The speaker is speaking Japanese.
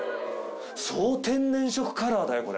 総天然色カラーだよ、これ。